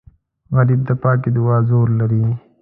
غریب د پاکې دعا زور لري